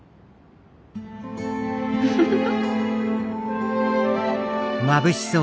フフフフ。